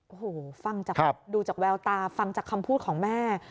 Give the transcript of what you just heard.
โอ้โหฟังจากดูจากแววตาฟังจากคำพูดของแม่